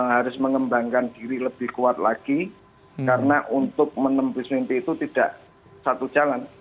harus mengembangkan diri lebih kuat lagi karena untuk menembus mimpi itu tidak satu jalan